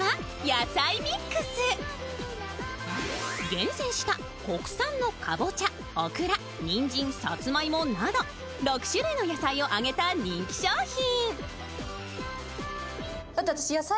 厳選した国産のかぼちゃオクラ、にんじん、サツマイモなど６種類の野菜を揚げた人気商品。